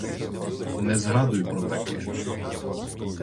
Не згадуй про таке!